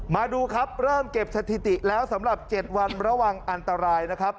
มาดูครับเริ่มเก็บสถิติแล้วสำหรับ๗วันระวังอันตรายนะครับ